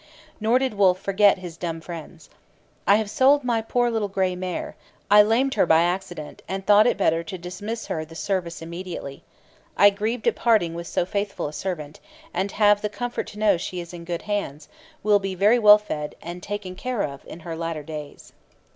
Nor did Wolfe forget his dumb friends: 'I have sold my poor little gray mare. I lamed her by accident, and thought it better to dismiss her the service immediately. I grieved at parting with so faithful a servant, and have the comfort to know she is in good hands, will be very well fed, and taken care of in her latter days.'